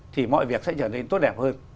thì mọi việc sẽ trở nên tốt đẹp hơn